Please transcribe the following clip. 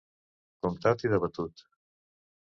Comptat i debatut.